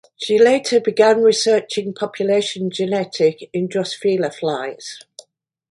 She later began researching population genetics in "Drosophila" flies.